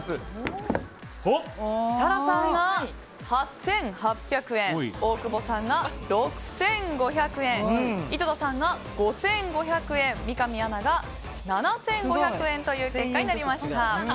設楽さんが８８００円大久保さんが６５００円井戸田さんが５５００円三上アナが７５００円という結果になりました。